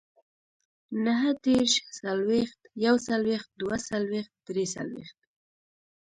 نههدېرش، څلوېښت، يوڅلوېښت، دوهڅلوېښت، دريڅلوېښت